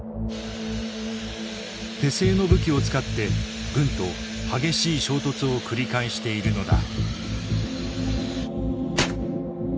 手製の武器を使って軍と激しい衝突を繰り返しているのだ。